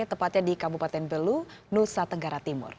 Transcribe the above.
tepatnya di kabupaten belu nusa tenggara timur